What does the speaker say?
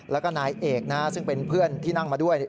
แล้วก็นายเอกนะฮะซึ่งเป็นเพื่อนที่นั่งมาด้วย